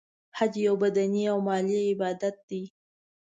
حج یو بدنې او مالی عبادت دی .